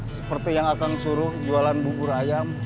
seperti yang akan suruh jualan bubur ayam